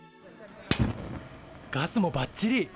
ガスもばっちり。